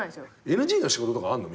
ＮＧの仕事とかあんの？